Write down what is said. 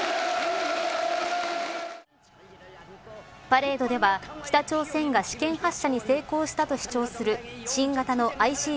パレードでは北朝鮮が試験発射に成功したと主張する新型のＩＣＢＭ